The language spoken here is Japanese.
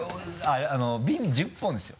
ビン１０本ですよ？